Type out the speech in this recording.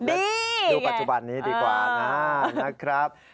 ดูปัจจุบันนี้ดีกว่านะครับ